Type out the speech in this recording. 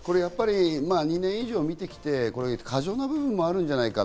２年以上見てきて、過剰な部分もあるんじゃないか。